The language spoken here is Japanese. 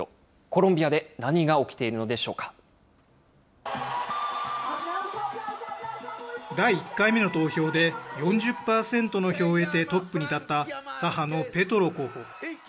コロンビアで何が起きているので第１回目の投票で４０％の票を得てトップに立った、左派のペトロ候補。